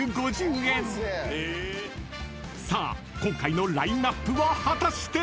［さあ今回のラインアップは果たして？］